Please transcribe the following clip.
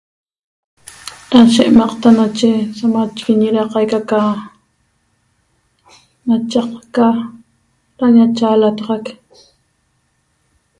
Ra she'emaqta nache samachiguiñi ra qaica ca machaqca ra ñachaalataxac